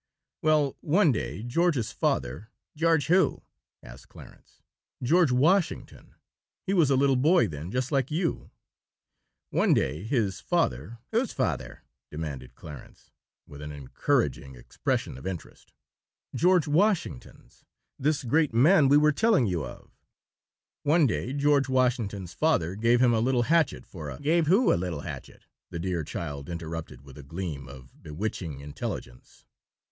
"Well, one day George's father " "George who?" asked Clarence. "George Washington. He was a little boy then, just like you. One day his father " "Whose father?" demanded Clarence, with an encouraging expression of interest. "George Washington's this great man we were telling you of. One day George Washington's father gave him a little hatchet for a " "Gave who a little hatchet?" the dear child interrupted with a gleam of bewitching intelligence.